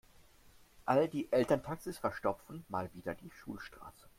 All die Elterntaxis verstopfen mal wieder die Schulstraße.